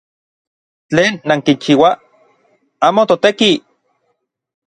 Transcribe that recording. ¿Tlen nankichiuaj? ¡Amo toteki!